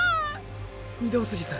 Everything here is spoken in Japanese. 御堂筋さん